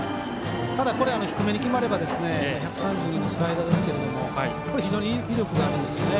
ただ、これ低めに決まれば１３２のスライダーですけどこれ非常に威力があるんですよね。